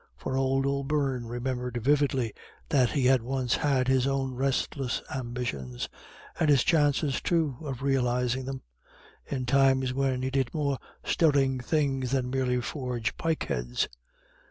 For old O'Beirne remembered vividly that he had once had his own restless ambitions, and his chances, too, of realising them, in times when he did more stirring things than merely forge pike heads.